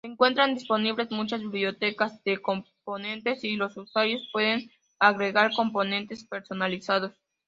Se encuentran disponibles muchas bibliotecas de componentes y los usuarios pueden agregar componentes personalizados.